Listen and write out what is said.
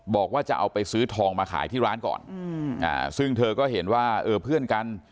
บอกว่าจะเอาไปซื้อทองมาขายที่ร้านก่อนอืมอ่าซึ่งเธอก็เห็นว่าเออเพื่อนกัน